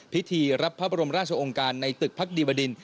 พิธีรับพระบรมราชองค์การในตึกพักดีบดิน